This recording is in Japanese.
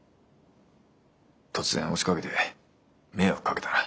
突然押しかけて迷惑かけたな。